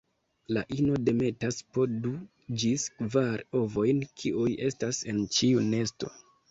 La ino demetas po du ĝis kvar ovojn kiuj estas en ĉiu nesto.